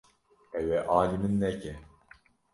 Ew ê alî min neke.